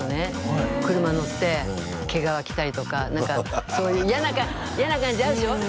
はい車乗って毛皮着たりとか何かそういう嫌な感じあるでしょ？